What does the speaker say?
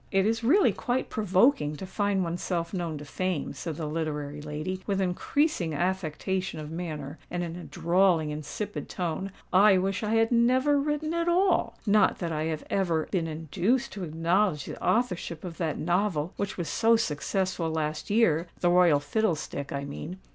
"It is really quite provoking to find oneself known to Fame," said the literary lady, with increasing affectation of manner, and in a drawling, insipid tone. "I wish I had never written at all:—not that I have ever been induced to acknowledge the authorship of that novel which was so successful last year—'The Royal Fiddlestick,' I mean.